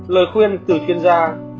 lời khuyên từ chuyên gia